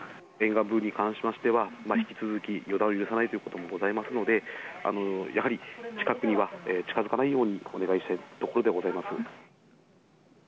沿岸部に関しましては、引き続き予断を許さないというところもございますので、やはり近くには近づかないようにお願いしたいところでございます。